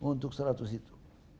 untuk seratus itu